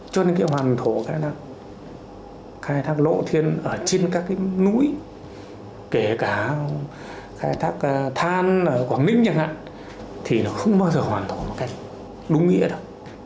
cho nên cái hoàn thổ cái nào khai thác độ thiên ở trên các cái núi kể cả khai thác than ở quảng ninh chẳng hạn thì nó không bao giờ hoàn thổ một cách đúng nghĩa đâu